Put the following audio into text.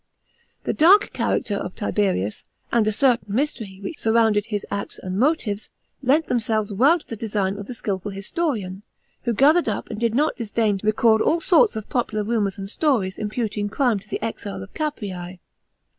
The dark character of Tiberius, and a certain mystery which surrounded his acts and motives, lent themselves well to the design of the skilful historian, who gathered up and did not disdain to record all sorts of popular rumours and stories imputing crime to the exile of Capreaa.